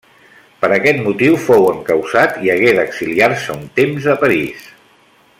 Per aquest motiu fou encausat i hagué d'exiliar-se un temps a París.